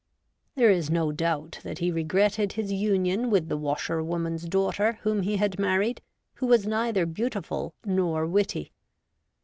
There is no doubt that he regretted his union with the washerwoman's daughter whom he had married, who was neither beautiful nor witty.